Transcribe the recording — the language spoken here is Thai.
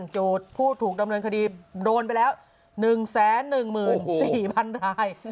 โจทย์ผู้ถูกดำเนินคดีโดนไปแล้ว๑๑๔๐๐๐ราย